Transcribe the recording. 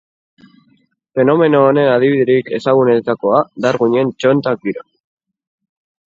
Fenomeno honen adibiderik ezagunenetakoa Darwinen txontak dira.